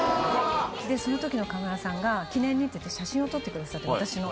そのときのカメラマンさんが記念にと言って写真を撮ってくださって、私の。